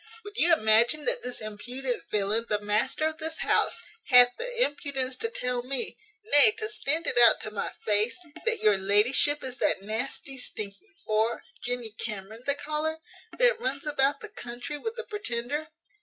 Would you imagine that this impudent villain, the master of this house, hath had the impudence to tell me, nay, to stand it out to my face, that your ladyship is that nasty, stinking wh re (Jenny Cameron they call her), that runs about the country with the Pretender?